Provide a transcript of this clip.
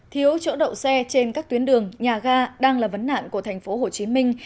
thiếu chỗ đậu xe trên các tuyến đường nhà ga đang là vấn nạn của thành phố hồ chí minh